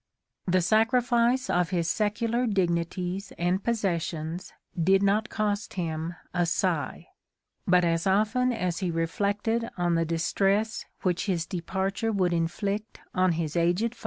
" The sacrifice of his secular dignities and possessions did not cost him a sigh, but as often as he reflected on the dis tress which his departure would inflict on his aged father, VOL.